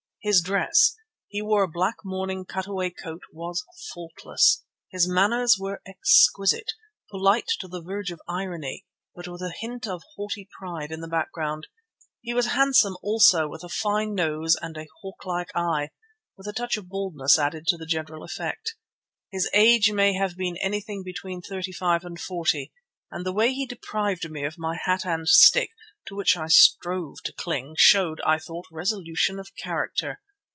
His dress—he wore a black morning cut away coat—was faultless. His manners were exquisite, polite to the verge of irony, but with a hint of haughty pride in the background. He was handsome also, with a fine nose and a hawk like eye, while a touch of baldness added to the general effect. His age may have been anything between thirty five and forty, and the way he deprived me of my hat and stick, to which I strove to cling, showed, I thought, resolution of character.